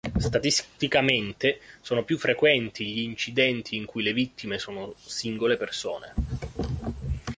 Statisticamente sono più frequenti gli incidenti in cui le vittime sono singole persone.